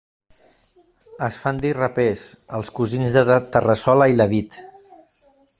Es fan dir rapers, els cosins de Terrassola i Lavit.